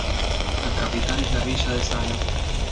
La capital es la villa de Sala.